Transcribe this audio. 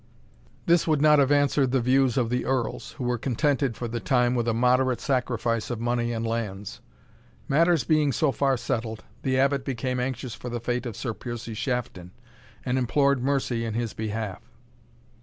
This would not have answered the views of the Earls, who were contented, for the time, with a moderate sacrifice of money and lands. Matters being so far settled, the Abbot became anxious for the fate of Sir Piercie Shafton, and implored mercy in his behalf.